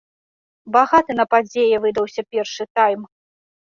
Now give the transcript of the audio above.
Багаты на падзеі выдаўся першы тайм.